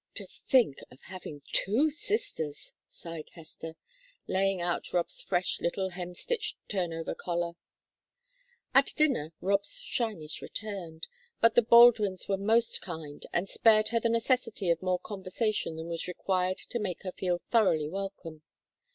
"To think of having two sisters!" sighed Hester, laying out Rob's fresh little hemstitched "turnover" collar. At dinner Rob's shyness returned, but the Baldwins were most kind, and spared her the necessity of more conversation than was required to make her feel thoroughly welcome.